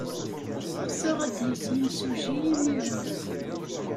Ɣseɣ ad d-yas yimsujji imir-a.